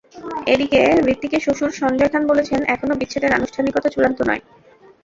এদিকে হূতিকের শ্বশুর সঞ্জয় খান বলেছেন, এখনো বিচ্ছেদের আনুষ্ঠানিকতা চূড়ান্ত নয়।